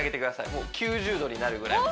こう９０度になるぐらいお！